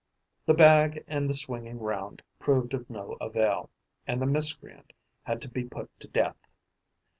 The bag and the swinging round proved of no avail; and the miscreant had to be put to death.